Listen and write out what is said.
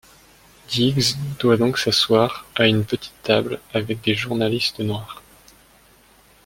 Diggs doit donc s'asseoir à une petite table avec des journalistes noirs.